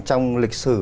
trong lịch sử